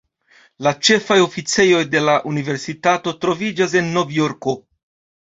La ĉefaj oficejoj de la universitato troviĝas en Nov-Jorko.